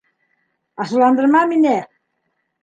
Асыуландырма мине!